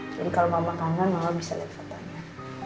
jadi kalau mama kangen mama bisa lihat fotonya